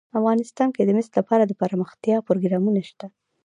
افغانستان کې د مس لپاره دپرمختیا پروګرامونه شته.